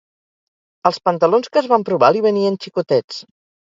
Els pantalons que es va emprovar li venien xicotets